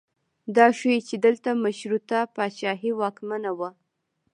دا ښیي چې دلته مشروطه پاچاهي واکمنه وه.